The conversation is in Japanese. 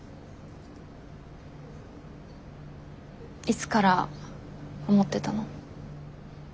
いつから思ってたの？